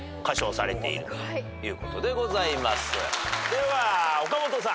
では岡本さん。